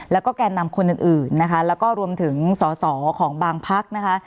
แล้วก็แก่นำคนอื่นนะคะแล้วก็รวมถึงสอสอของบางพักนะคะ